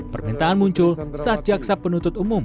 permintaan muncul saat jaksa penuntut umum